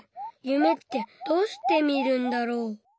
夢ってどうして見るんだろう？